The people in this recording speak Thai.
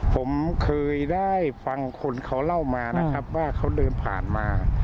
ผมเคยได้ฟังคนเขาเล่ามานะครับว่าเขาเดินผ่านมา